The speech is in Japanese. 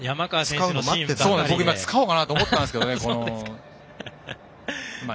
僕、使おうかなと思ってたんですけど。